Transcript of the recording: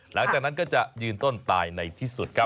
หลังจากนั้นก็จะยืนต้นตายในที่สุดครับ